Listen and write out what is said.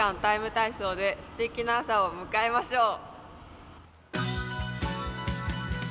ＴＩＭＥ，体操」ですてきな朝を迎えましょう。